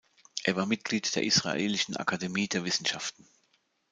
Er war Mitglied der Israelischen Akademie der Wissenschaften.